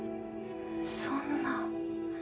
そんな。